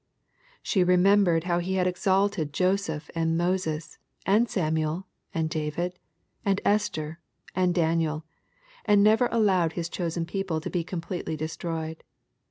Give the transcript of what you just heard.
She remembered how He had exalted Joseph and Moses, and Samuel, and David, and Esther, and Daniel, and never allowed His chosen people to be completely destroyed.